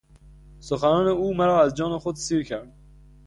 سخنان او مرا از جان خود سیر کرد.